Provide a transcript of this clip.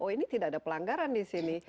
oh ini tidak ada pelanggaran di sini